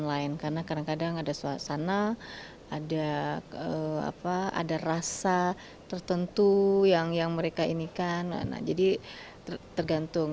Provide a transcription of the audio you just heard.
karena karena kadang kada yang ada suasana ada rasa tertentu yang mereka ini kan jadi tergantung